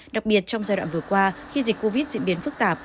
đặc biệt trong giai đoạn vừa qua khi dịch covid diễn biến phức tạp